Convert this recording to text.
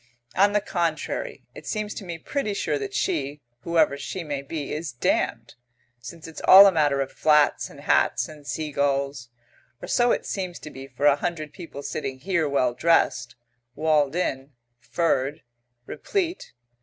On the contrary, it seems to me pretty sure that she, whoever she may be, is damned, since it's all a matter of flats and hats and sea gulls, or so it seems to be for a hundred people sitting here well dressed, walled in, furred, replete.